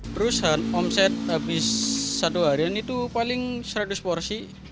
perusahaan omset habis satu harian itu paling seratus porsi